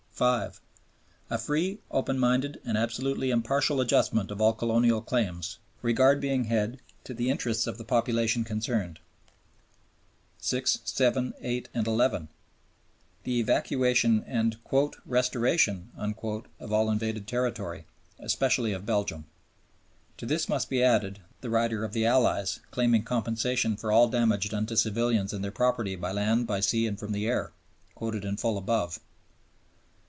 (5). "A free, open minded, and absolutely impartial adjustment of all colonial claims," regard being had to the interests of the populations concerned. (6), (7), (8), and (11). The evacuation and "restoration" of all invaded territory, especially of Belgium. To this must be added the rider of the Allies, claiming compensation for all damage done to civilians and their property by land, by sea, and from the air (quoted in full above).